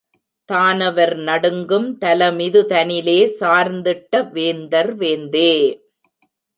தானவர் நடுங்கும் தலமிதுதனிலே சார்ந்திட்ட வேந்தர் வேந்தே!